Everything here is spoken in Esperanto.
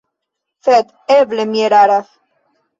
Sed eble mi eraras.